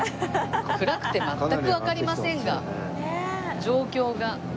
暗くて全くわかりませんが状況が。